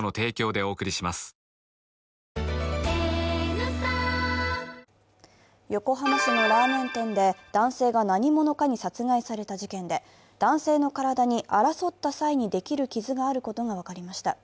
ニトリ横浜市のラーメン店で男性が何者かに殺害された事件で、男性の体に争った際にできる傷があることが分かりました。